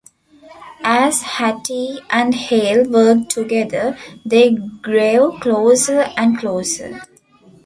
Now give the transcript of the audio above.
As Hattie and Hale worked together they grew closer and closer.